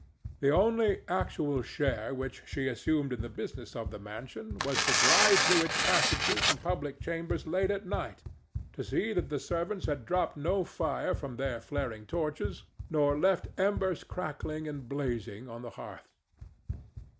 The only actual share which she assumed in the business of the mansion was to glide through its passages and public chambers late at night to see that the servants had dropped no fire from their flaring torches nor left embers crackling and blazing on the hearths.